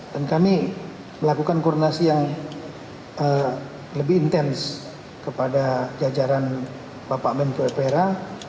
dan kami melakukan kornasi yang lebih intens kepada jajaran bapak menteri opera